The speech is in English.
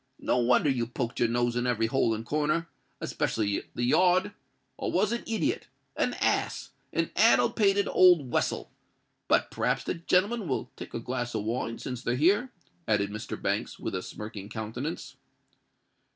No wonder you poked your nose in every hole and corner—'specially the yard. I was a idiot—a ass—a addle pated old wessel! But p'rhaps the gen'lemen will take a glass of wine, since they're here?" added Mr. Banks, with a smirking countenance.